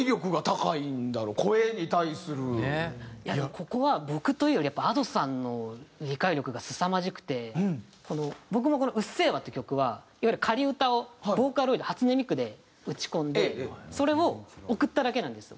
ここは僕というよりやっぱ僕もこの『うっせぇわ』っていう曲はいわゆる仮歌をボーカロイド初音ミクで打ち込んでそれを送っただけなんですよ。